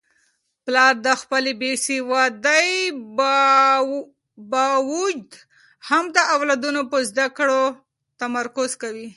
پلار د خپلې بې سوادۍ باوجود هم د اولادونو په زده کړو تمرکز کوي.